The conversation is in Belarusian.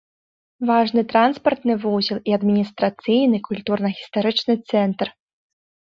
Важны транспартны вузел і адміністрацыйны, культурна-гістарычны цэнтр.